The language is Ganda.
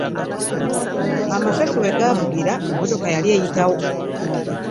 Amasasi we gaavugira emmotoka yali eyitawo.